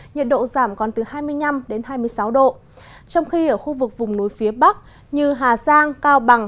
nhiệt độ giảm còn từ hai mươi năm hai mươi sáu độ trong khi ở khu vực vùng núi phía bắc như hà giang cao bằng